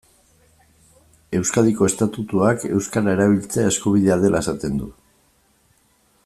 Euskadiko estatutuak euskara erabiltzea eskubidea dela esaten du.